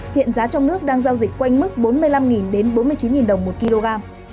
hiện giá trong nước đang giao dịch quanh mức bốn mươi năm đến bốn mươi chín đồng một kg